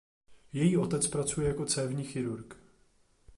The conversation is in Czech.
Její otec pracuje jako cévní chirurg.